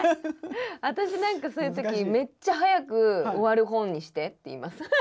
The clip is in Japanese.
私なんかそういう時「めっちゃ早く終わる本にして」って言います。